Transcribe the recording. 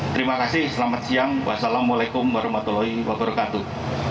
terima kasih selamat siang wassalamualaikum warahmatullahi wabarakatuh